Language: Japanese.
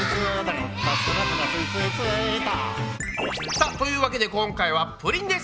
さあというわけで今回はプリンです！